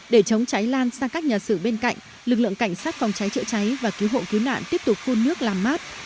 để chống cháy lan sang các nhà sử bên cạnh lực lượng cảnh sát phòng cháy chữa cháy và cứu hộ cứu nạn tiếp tục phun nước làm mát